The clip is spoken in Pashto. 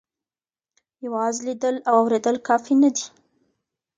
یوازې لیدل او اورېدل کافي نه دي.